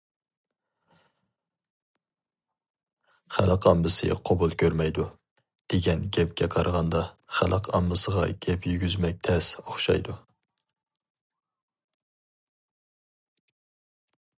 « خەلق ئاممىسى قوبۇل كۆرمەيدۇ» دېگەن گەپكە قارىغاندا، خەلق ئاممىسىغا گەپ يېگۈزمەك تەس ئوخشايدۇ.